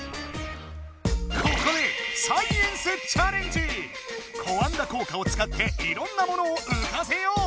ここで「コアンダ効果」をつかっていろんなものをうかせよう！